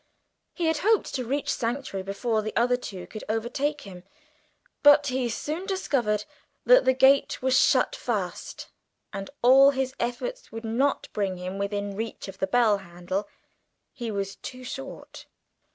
He had hoped to reach sanctuary before the other two could overtake him; but he soon discovered that the gate was shut fast, and all his efforts would not bring him within reach of the bell handle he was too short.